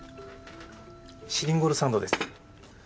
シリンゴルサンドです。